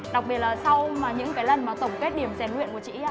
đặc biệt là sau những cái lần mà tổng kết điểm giải nguyện của chị